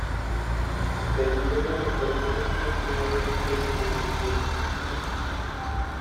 Vendió en el mejor momento una buena empresa con futuro.